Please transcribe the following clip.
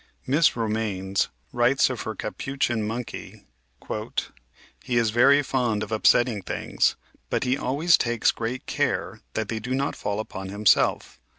Miss Romanes writes of her Capuchin Monkey: "He is very fond of upsetting things, but he always takes great care that they do not fall upon himself.